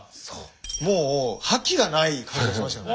もう覇気がない感じがしましたよね。